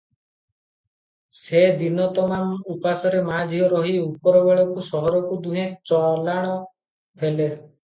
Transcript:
ସେ ଦିନତମାମ ଉପାସରେ ମା'ଝିଅ ରହି ଉପର ବେଳକୁ ସହରକୁ ଦୁହେଁ ଚାଲାଣ ହେଲେ ।